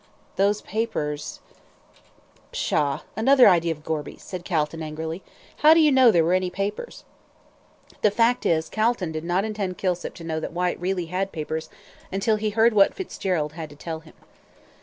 "Those papers " "Pshaw! another idea of Gorby's," said Calton, angrily. "How do you know there were any papers?" The fact is, Calton did not intend Kilsip to know that Whyte really had papers until he heard what Fitzgerald had to tell him.